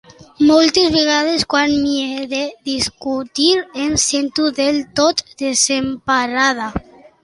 Moltes vegades, quan m'hi he de discutir, em sento del tot desemparada.